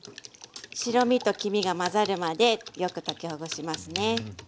白身と黄身が混ざるまでよく溶きほぐしますね。